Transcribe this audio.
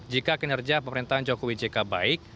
jika kinerja pemerintahan jokowi jk baik